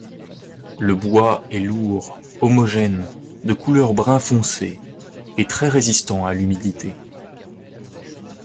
Le bois est lourd, homogène, de couleur brun foncé et très résistant à l'humidité.